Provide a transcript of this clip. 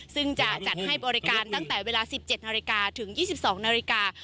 ซึ่งจะจัดให้บริการตั้งแต่เวลา๑๗นาฬิกาถึง๒๒นาฬิกา